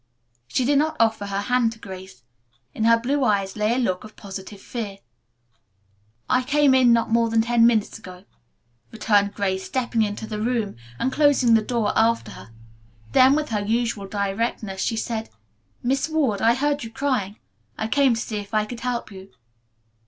She did not offer her hand to Grace. In her blue eyes lay a look of positive fear. "I came in not more than ten minutes ago," returned Grace, stepping into the room and closing the door after her. Then with her usual directness she said, "Miss Ward, I heard you crying. I came to see if I could help you."